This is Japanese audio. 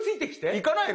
行かないの？